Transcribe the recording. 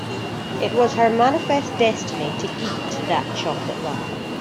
It was her manifest destiny to eat that chocolate bar.